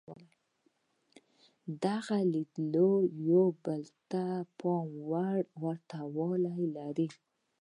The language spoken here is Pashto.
دغه لیدلوري په یو بل کې پام وړ ورته والی لري.